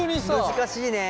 難しいね。